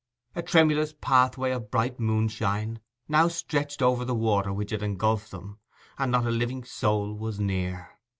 A tremulous pathway of bright moonshine now stretched over the water which had engulfed them, and not a living soul was near.